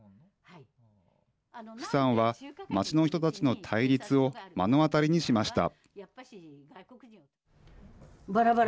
符さんは、街の人たちの対立を目の当たりにしました。